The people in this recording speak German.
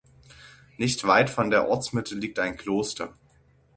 Nicht weit von der Ortsmitte liegt ein Kloster.